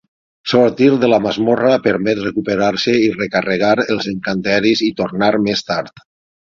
Sortir de la masmorra permet recuperar-se i recarregar els encanteris i tornar més tard.